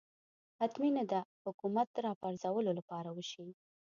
حتمي نه ده حکومت راپرځولو لپاره وشي